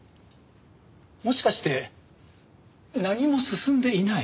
もしかして何も進んでいない？